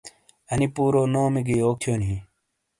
انی پورو نومی گی یوک تھیونی ہیں؟